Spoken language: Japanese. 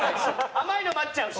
甘いの待っちゃうし。